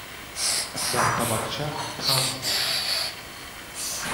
Дар табақча қанд буд.